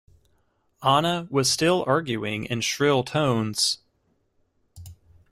Anna was still arguing in shrill tones.